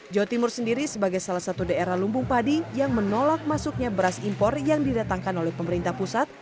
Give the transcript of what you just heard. jawa timur sendiri sebagai salah satu daerah lumbung padi yang menolak masuknya beras impor yang didatangkan oleh pemerintah pusat